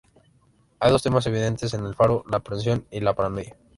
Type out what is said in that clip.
Hay dos temas evidentes en "El faro": la aprensión y la paranoia.